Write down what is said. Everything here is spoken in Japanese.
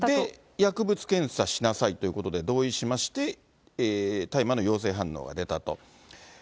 薬物検査しなさいということで同意しまして、大麻の陽性反応が出たと。